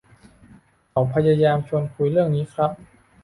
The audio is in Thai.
เขาพยายามชวนคุยเรื่องนี้ครับ